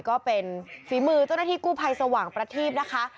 ก็เป็นฝีมือเจ้าหน้าที่กู้ภัยสว่างประทีพนะคะ